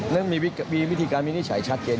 แล้วมีวิธีการมินิจฉัยชัดเกณฑ์อยู่